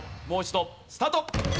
もう一度スタート！